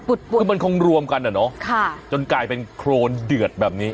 คือมันคงรวมกันอ่ะเนอะค่ะจนกลายเป็นโครนเดือดแบบนี้